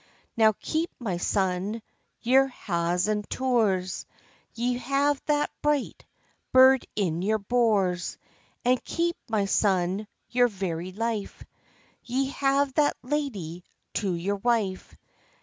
"Now keep, my son, your ha's and tours; Ye have that bright burd in your bours; And keep, my son, your very life; Ye have that ladye to your wife."